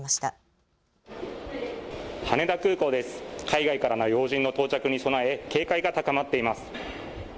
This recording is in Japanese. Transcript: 海外から要人の到着に備え警戒が高まっています。